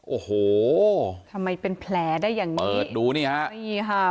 โอ้โหทำไมเป็นแผลได้อย่างงี้เปิดดูนี่ฮะนี่ค่ะ